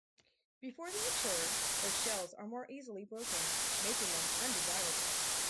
Before they mature, their shells are more easily broken, making them undesirable.